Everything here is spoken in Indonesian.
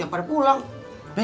ya mbak abe